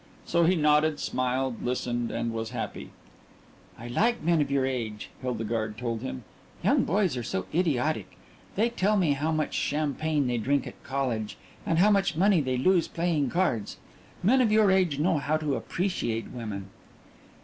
So he nodded, smiled, listened, was happy. "I like men of your age," Hildegarde told him. "Young boys are so idiotic. They tell me how much champagne they drink at college, and how much money they lose playing cards. Men of your age know how to appreciate women."